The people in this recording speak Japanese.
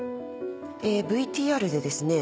ＶＴＲでですね。